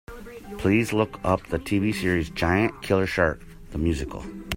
Please look up the TV series Giant Killer Shark: The Musical.